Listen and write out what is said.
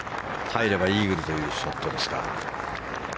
入ればイーグルというショットですか。